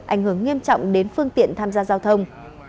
ảnh hưởng nghiêm trọng đến phương tiện tham gia giao thông